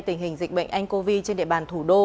tình hình dịch bệnh anh covid trên địa bàn thủ đô